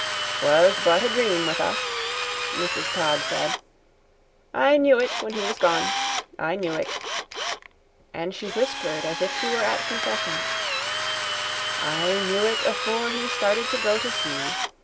"'Twas but a dream with us," Mrs. Todd said. "I knew it when he was gone. I knew it" and she whispered as if she were at confession "I knew it afore he started to go to sea.